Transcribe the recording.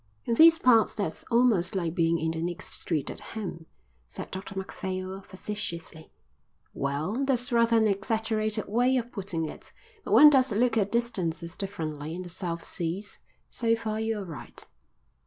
"In these parts that's almost like being in the next street at home," said Dr Macphail facetiously. "Well, that's rather an exaggerated way of putting it, but one does look at distances differently in the South Seas. So far you're right."